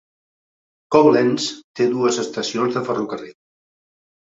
Koblenz té dues estacions de ferrocarril.